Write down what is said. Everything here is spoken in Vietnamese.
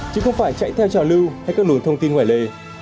chứ không phải chạy theo trò lưu hay các luồng thông tin ngoài lề